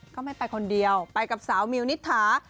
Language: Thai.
ก็ไม่ไปคนเดียวไปกับสาวมิวนิษฐา